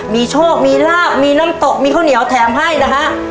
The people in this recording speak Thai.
มีโชคมีลาบมีน้ำตกมีข้าวเหนียวแถมให้นะฮะ